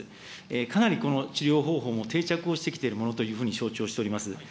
かなりこの治療方法も定着をしてきているものというふうに承知をしております。